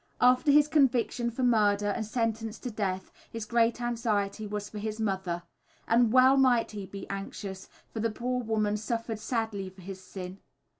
After his conviction for murder and sentence to death, his great anxiety was for his mother. And well might he be anxious, for the poor woman suffered sadly for his sin.